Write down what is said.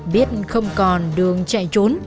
biết không còn đường chạy trốn